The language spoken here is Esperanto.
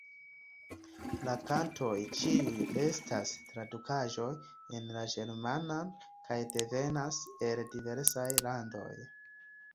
La kantoj ĉiuj estas tradukaĵoj en la germanan kaj devenas el diversaj landoj.